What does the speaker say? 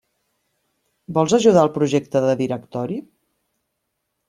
Vols ajudar el Projecte de Directori?